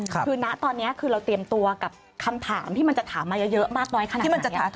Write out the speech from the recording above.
คือนะตอนนี้คือเราเตรียมตัวกับคำถามที่มันจะถามมาเยอะมากน้อยขนาดที่มันจะถาม